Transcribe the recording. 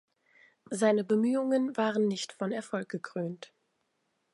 Seine Bemühungen waren nicht von Erfolg gekrönt.